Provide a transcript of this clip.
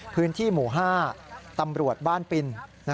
พื้นที่หมู่๕ตำรวจบ้านปิน